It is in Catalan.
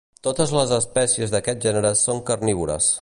Totes les espècies d'aquest gènere són carnívores.